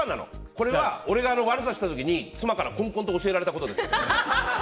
これは、俺が悪さした時に妻から懇々と教えられたことです。